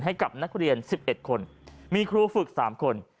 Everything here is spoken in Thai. ให้กับนักเรียน๑๑คนมีครูฝึก๓คน